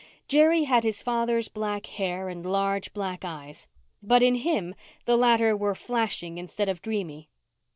Jerry had his father's black hair and large black eyes, but in him the latter were flashing instead of dreamy.